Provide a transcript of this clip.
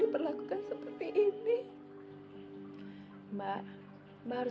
bri ada apa bri